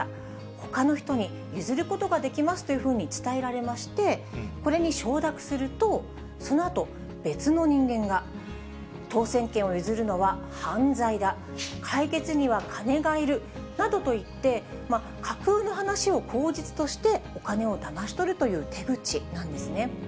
ほかに人に譲ることができますというふうに伝えられまして、これに承諾すると、そのあと、別の人間が、当せん券を譲るのは犯罪だ、解決には金がいるなどと言って、架空の話を口実として、お金をだまし取るという手口なんですね。